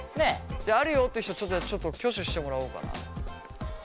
あるよって人ちょっと挙手してもらおうかな。